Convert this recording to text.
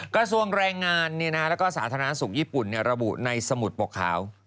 กระทรวงแรงงานแล้วก็สาธารณสุขญี่ปุ่นระบุในสมุดปกขาว